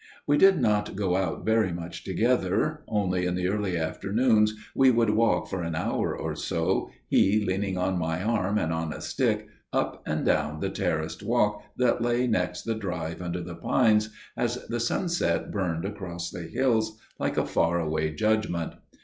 We did not go out very much together––only in the early afternoons we would walk for an hour or so, he leaning on my arm and on a stick, up and down the terraced walk that lay next the drive under the pines, as the sunset burned across the hills like a far away judgment.